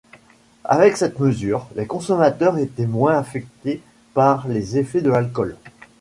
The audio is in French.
Avec cette mesure, les consommateurs étaient moins affectés par les effets de l’alcool.